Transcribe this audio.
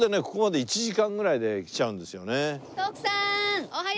ここまで１時間ぐらいで来ちゃうんですよね。